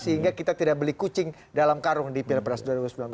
sehingga kita tidak beli kucing dalam karung di pilpres dua ribu sembilan belas